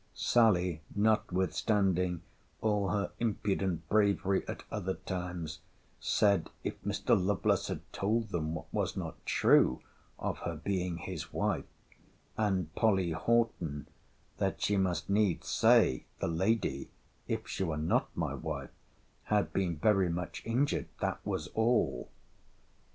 Sally, notwithstanding all her impudent bravery at other times, said, If Mr. Lovelace had told them what was not true, of her being his wife—— And Polly Horton, That she must needs say, the lady, if she were not my wife, had been very much injured; that was all.